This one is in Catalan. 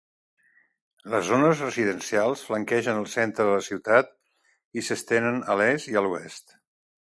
Les zones residencials flanquegen el centre de la ciutat i s'estenen a l'est i a l'oest.